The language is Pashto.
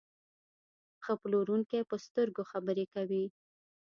ښه پلورونکی په سترګو خبرې کوي.